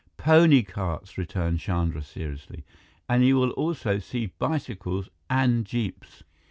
"Pony carts," returned Chandra seriously, "and you will also see bicycles and jeeps."